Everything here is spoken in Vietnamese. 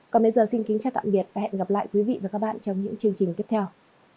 còn bây giờ xin kính chào tạm biệt và hẹn gặp lại quý vị và các bạn trong những chương trình tiếp theo